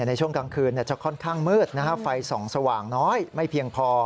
ในช่วงกลางคืนจะค่อนข้างมืดไฟส่องสว่างน้อยไม่เพียงพอ